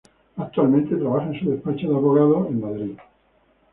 Actualmente trabaja en su despacho de abogados en Madrid.